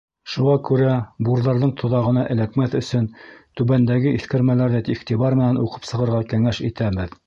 Шуға күрә бурҙарҙың тоҙағына эләкмәҫ өсөн түбәндәге иҫкәрмәләрҙе иғтибар менән уҡып сығырға кәңәш итәбеҙ: